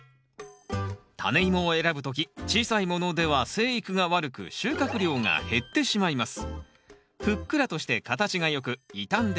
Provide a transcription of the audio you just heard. タネイモを選ぶ時小さいものでは生育が悪く収穫量が減ってしまいます